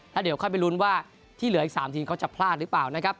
แล้วเดี๋ยวค่อยไปลุ้นว่าที่เหลืออีก๓ทีมเขาจะพลาดหรือเปล่านะครับ